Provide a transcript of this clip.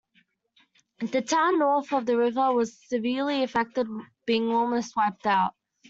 The town north of the river was severely affected being almost wiped out.